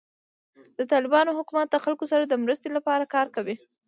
د طالبانو حکومت د خلکو سره د مرستې لپاره کار کوي.